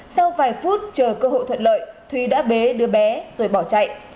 sau vài phút chờ cơ hội thuận lợi thúy đã bế đứa bé rồi bỏ chạy